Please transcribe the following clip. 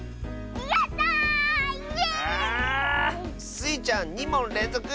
スイちゃん２もんれんぞく！